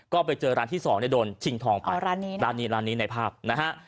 ก็ไปเจอร้านที่สองได้โดนชิงทองอ๋อร้านนี้ร้านนี้ในภาพนะฮะ